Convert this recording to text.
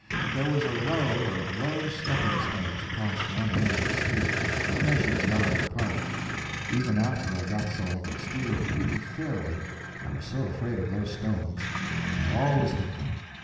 There was a row of low stepping stones across one end of the street, a measured yard apart. Even after I got so I could steer pretty fairly I was so afraid of those stones that I always hit them.